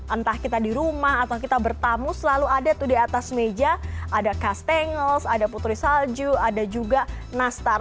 entah kita di rumah atau kita bertamu selalu ada diatas meja ada kastengel ada putri salju ada juga nastar